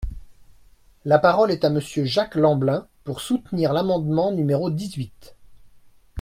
La parole est à Monsieur Jacques Lamblin, pour soutenir l’amendement numéro dix-huit.